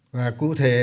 và cụ thể